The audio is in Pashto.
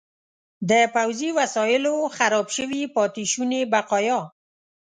د پوځي وسایلو خراب شوي پاتې شوني بقایا.